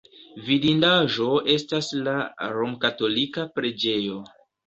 Vidindaĵo estas la romkatolika preĝejo.